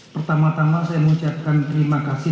pertama tama saya mengucapkan terima kasih